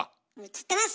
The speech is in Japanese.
映ってます！